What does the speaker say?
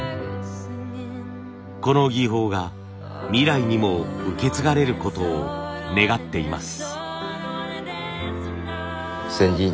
この技法が未来にも受け継がれることを願っています。